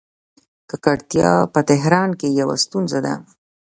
ککړتیا په تهران کې یوه ستونزه ده.